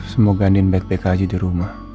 semoga andin baik baik aja di rumah